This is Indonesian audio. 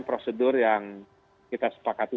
prosedur yang kita sepakati